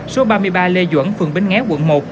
số ba mươi ba lê duẩn phường bến nghéo quận một